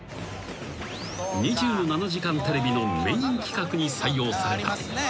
［『２７時間テレビ』のメイン企画に採用された］